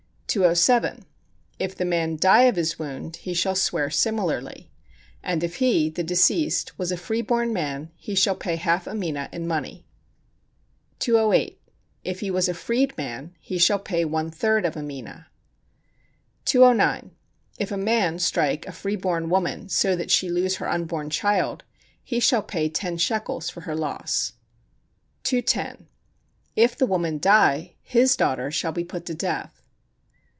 207. If the man die of his wound, he shall swear similarly, and if he [the deceased] was a free born man, he shall pay half a mina in money. 208. If he was a freed man, he shall pay one third of a mina. 209. If a man strike a free born woman so that she lose her unborn child, he shall pay ten shekels for her loss. 210. If the woman die, his daughter shall be put to death.